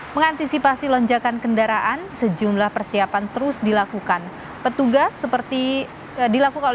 mengantisipasi lonjakan kendaraan sejumlah persiapan terus dilakukan